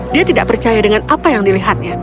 dia tidak percaya dengan apa yang dilihatnya